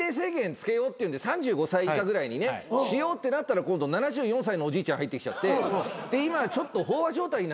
付けようっていうんで３５歳以下ぐらいにねしようってなったら今度７４歳のおじいちゃん入ってきちゃってで今ちょっと飽和状態になってるんで。